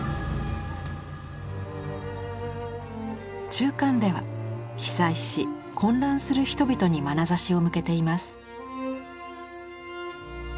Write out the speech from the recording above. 中巻では被災し混乱する人々にまなざしを向けています。